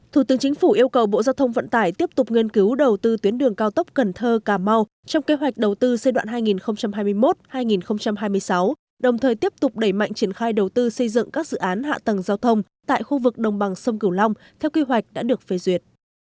thủ tướng chính phủ yêu cầu bộ giao thông vận tải tiếp tục nghiên cứu đầu tư tuyến đường cao tốc cần thơ cà mau trong kế hoạch đầu tư giai đoạn hai nghìn hai mươi một hai nghìn hai mươi sáu đồng thời tiếp tục đẩy mạnh triển khai đầu tư xây dựng các dự án hạ tầng giao thông tại khu vực đồng bằng sông cửu long theo kế hoạch đã được phê duyệt